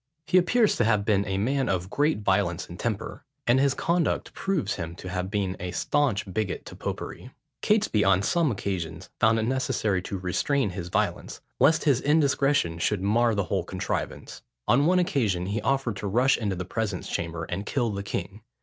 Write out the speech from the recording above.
He appears to have been a man of great violence of temper; and his conduct proves him to have been a staunch bigot to popery. Catesby on some occasions found it necessary to restrain his violence, lest his indiscretion should mar the whole contrivance. On one occasion, he offered to rush into the presence chamber, and kill the king.